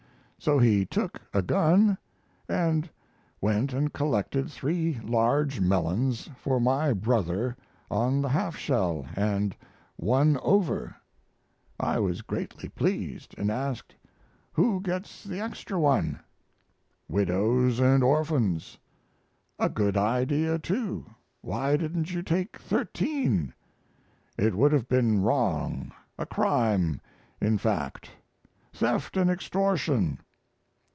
So he took a gun and went and collected three large melons for my brother on the halfshell, and one over. I was greatly pleased and asked: "Who gets the extra one?" "Widows and orphans." "A good idea, too. Why didn't you take thirteen?" "It would have been wrong; a crime, in fact theft and extortion."